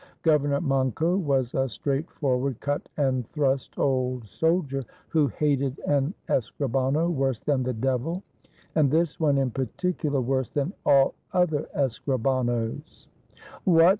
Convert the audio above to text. Governor Manco was a straightforward cut and thrust old soldier, who hated an escribano worse than the devil, and this one in partic ular worse than all other escribanos. "What!"